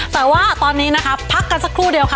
แต่ว่าตอนนี้นะคะพักกันสักครู่เดียวค่ะ